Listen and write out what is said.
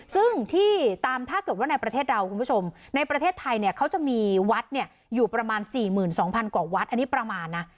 ซึ่งที่ตามถ้าเกิดว่าในประเทศเราคุณผู้ชมในประเทศไทยเนี่ยเขาจะมีวัดอยู่ประมาณ๔๒๐๐กว่าวัดอันนี้ประมาณนะ